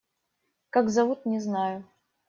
Как зовут, не знаю.